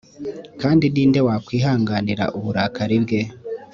kandi ni nde wakwihanganira uburakari bwe